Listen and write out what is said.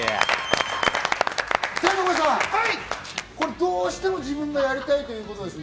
どうしても自分がやりたいということですね。